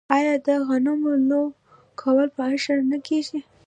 آیا د غنمو لو کول په اشر نه کیږي؟